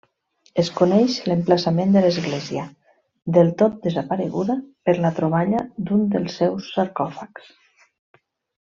Es coneix l'emplaçament de l'església, del tot desapareguda, per la troballa d'un dels seus sarcòfags.